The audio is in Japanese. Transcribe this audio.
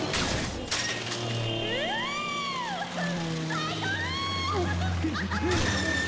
最高！